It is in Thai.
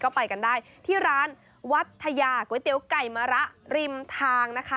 ก็ไปกันได้ที่ร้านวัทยาก๋วยเตี๋ยวไก่มะระริมทางนะคะ